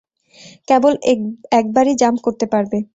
কেবল একবারই জাম্প করতে পারবে।